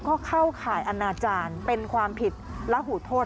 ก็เข้าข่ายอนาจารย์เป็นความผิดและหูโทษ